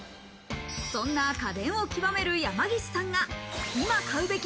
そんな家電を極める山岸さんが今買うべき